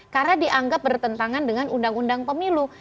karena dianggap bertentangan dengan undang undang pemilu